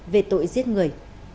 về tội giết người